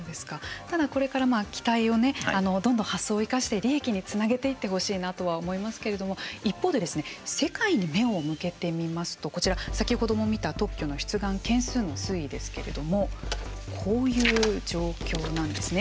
ただ、これから期待をねどんどん発想を生かして利益につなげていってほしいなとは思いますけれども、一方で世界に目を向けてみますとこちら、先ほども見た、特許の出願件数の推移ですけれどもこういう状況なんですね。